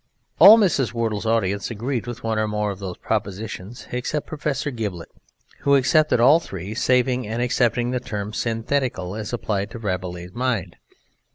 All Mrs. Whirtle's audience agreed with one or more of these propositions except Professor Giblet, who accepted all three saving and excepting the term "synthetical" as applied to Rabelais' mind.